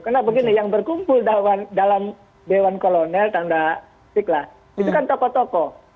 karena begini yang berkumpul dalam dewan kolonel tanda siklah itu kan tokoh tokoh